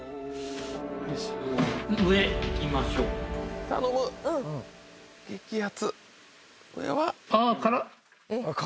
上いきましょうか。